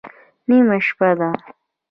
_نيمه شپه ده.